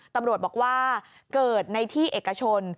ตำรวจบอกว่าเกิดในที่เอกชน